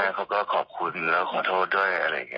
เขาก็ขอบคุณแล้วขอโทษด้วยอะไรอย่างนี้